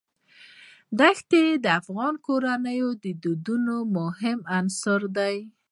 دښتې د افغان کورنیو د دودونو مهم عنصر دی.